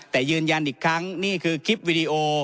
แต่ยืนยันอีกครั้งนี่คือคลิปวิดีโอ